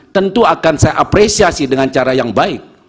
tentu akan saya apresiasi dengan cara yang baik